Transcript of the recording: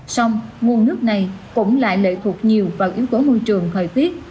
sông nguồn nước này cũng lại lệ thuộc nhiều vào yếu tố môi trường thời tiết